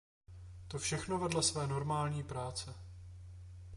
To všechno vedle své normální práce.